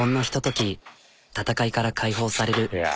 ひととき戦いから解放される。